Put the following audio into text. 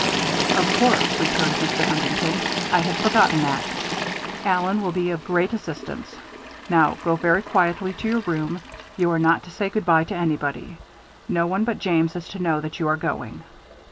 "Of course," returned Mr. Huntington. "I had forgotten that. Allen will be of great assistance. Now, go very quietly to your room. You are not to say good by to anybody. No one but James is to know that you are going.